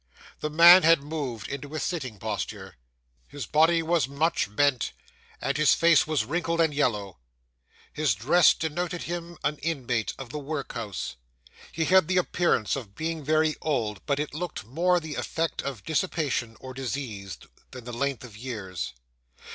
'The man had moved into a sitting posture. His body was much bent, and his face was wrinkled and yellow. His dress denoted him an inmate of the workhouse: he had the appearance of being very old, but it looked more the effect of dissipation or disease, than the length of years.